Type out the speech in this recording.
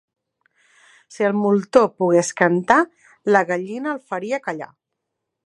Si el moltó pogués cantar, la gallina el feria callar.